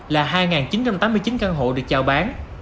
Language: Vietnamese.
là hai chín trăm tám mươi chín căn hộ được trao bán